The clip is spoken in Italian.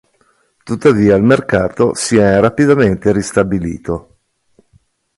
Tuttavia il mercato si è rapidamente ristabilito.